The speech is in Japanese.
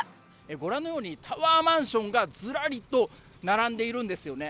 ご覧のように、タワーマンションがずらりと並んでいるんですよね。